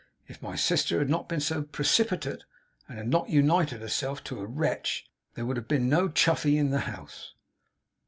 If my sister had not been so precipitate, and had not united herself to a Wretch, there would have been no Mr Chuffey in the house.